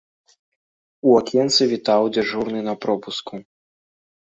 У акенцы вітаў дзяжурны на пропуску.